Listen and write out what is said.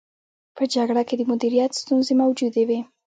په جګړه کې د مدیریت ستونزې موجودې وې.